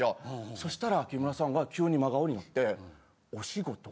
そしたら木村さんが急に真顔になって。